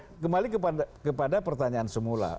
kan saya kembali kepada pertanyaan semula